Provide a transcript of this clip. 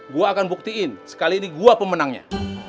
gua akan buktiin sekali ini gua pemenangnya